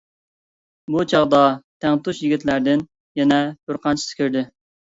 بۇ چاغدا تەڭتۇش يىگىتلەردىن يەنە بىر قانچىسى كىردى.